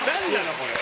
これ。